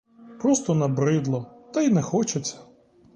Просто набридло та й не хочеться.